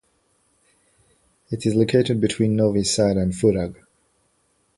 It is located between Novi Sad and Futog.